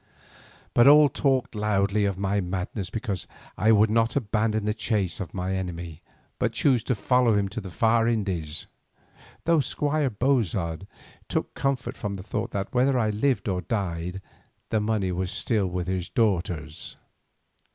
But all talked loudly of my madness because I would not abandon the chase of my enemy but chose to follow him to the far Indies, though Squire Bozard took comfort from the thought that whether I lived or died the money was still his daughter's.